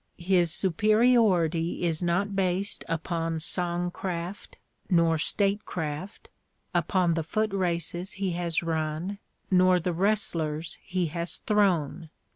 His superiority is not based upon song craft nor state craft, upon the foot races he has run nor the wrestlers he has thrown.